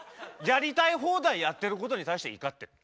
やりたい放題やってることに対して怒ってる。